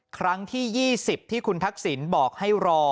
ครั้งที่๒๐ที่คุณทักษิณบอกให้รอ